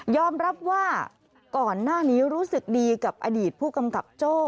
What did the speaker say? รับว่าก่อนหน้านี้รู้สึกดีกับอดีตผู้กำกับโจ้